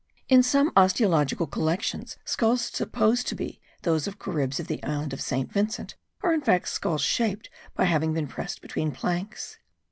In some osteological collections skulls supposed to be those of Caribs of the island of St. Vincent are in fact skulls shaped by having been pressed between planks.